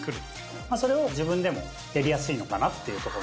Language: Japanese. それを自分でもやりやすいのかなっていうところで。